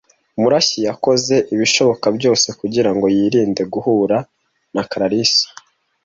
Murashyi yakoze ibishoboka byose kugirango yirinde guhura na Kalarisa .